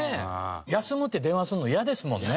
「休む」って電話するの嫌ですもんね。